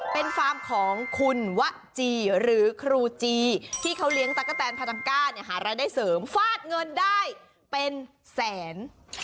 เป็นฟาร์มของคุณวะจีหรือครูจีที่เขาเลี้ยงตะกะแตนพาทังก้าเนี่ยหารายได้เสริมฟาดเงินได้เป็นแสน